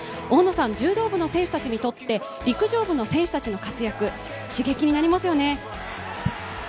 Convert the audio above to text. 大野さん、柔道部の選手たちにとって陸上部の選手たちの活躍、刺激になりますよね。